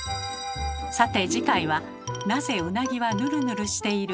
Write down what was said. さて次回は「なぜうなぎはヌルヌルしている？」